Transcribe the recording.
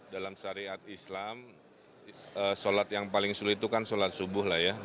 dari at islam salat yang paling sulit itu kan salat subuh lah ya